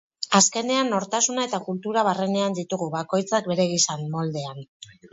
Azkenean, nortasuna eta kultura barrenean ditugu, bakoitzak bere gisan, moldean.